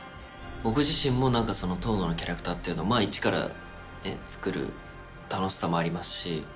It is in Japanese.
僕自身も遠野のキャラクターっていうのを一からつくる楽しさもありますし。